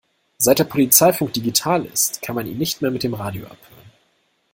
Seit der Polizeifunk digital ist, kann man ihn nicht mehr mit dem Radio abhören.